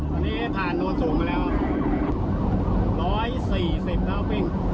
ตอนนี้ผ่านโน้นสูงมาแล้ว๑๔๐แล้ววิ่ง